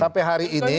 sampai hari ini